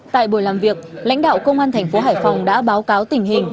tại buổi làm việc lãnh đạo công an thành phố hải phòng đã báo cáo tình hình